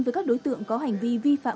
với các đối tượng có hành vi vi phạm